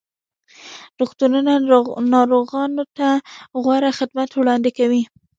روغتونونه ناروغانو ته غوره خدمات وړاندې کوي.